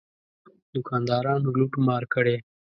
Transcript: دوکاندارانو لوټ مار کړی.